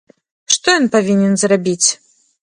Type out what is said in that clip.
Што ён павінен зрабіць?